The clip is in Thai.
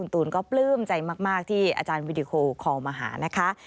ตูนก็ปลื้มใจมากที่อาจารย์วิดีโอคอลมาหานะคะ